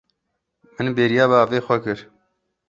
Min bêriya bavê xwe kir.